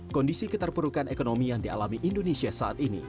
kondisi keterperukan ekonomi yang dialami indonesia saat ini